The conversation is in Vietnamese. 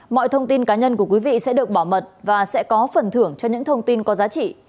mọi thông tin cá nhân của quý vị sẽ được bảo mật và sẽ có phần thưởng cho những thông tin có giá trị